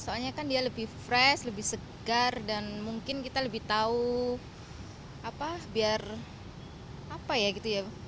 soalnya kan dia lebih fresh lebih segar dan mungkin kita lebih tahu apa biar apa ya gitu ya